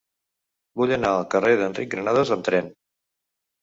Vull anar al carrer d'Enric Granados amb tren.